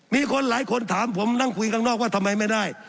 มีคนหลายคนถามผมนั่งคุยข้างนอกว่าทำไมไม่ได้